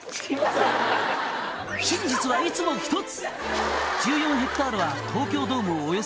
「真実はいつもひとつ」